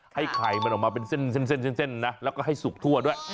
ให้ไข่มันออกมาเป็นเส้นนะแล้วก็ให้สุกทั่วด้วย